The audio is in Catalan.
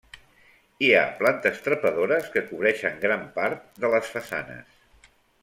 Hi ha plantes trepadores que cobreixen gran part de les façanes.